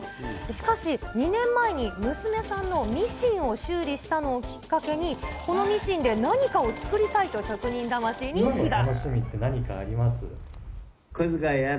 しかし２年前に娘さんのミシンを修理したのをきっかけに、このミシンで何かを作りたいと職人魂に火が。